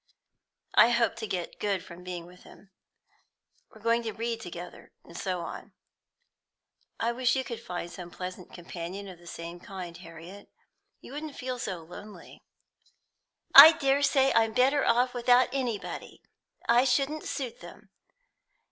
I hope to get good from being with him; we're going to read together, and so on. I wish you could find some pleasant companion of the same kind, Harriet; you wouldn't feel so lonely." "I dare say I'm better off without anybody. I shouldn't suit them.